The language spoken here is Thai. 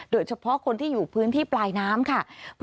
โดยเฉพาะคนที่อยู่พื้นที่ปลายน้ำค่ะ